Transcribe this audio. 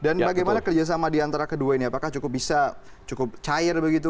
dan bagaimana kerjasama di antara kedua ini apakah cukup bisa cukup cair begitu